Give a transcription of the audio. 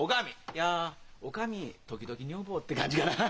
いや女将時々女房って感じかな？